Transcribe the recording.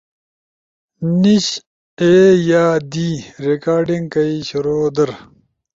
نیِش اے یا دی، ریکارڈنگ کئی شروع در